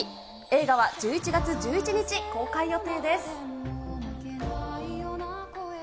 映画は１１月１１日公開予定です。